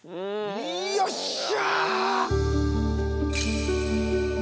よっしゃ！